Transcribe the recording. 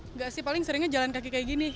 enggak sih paling seringnya jalan kaki kayak gini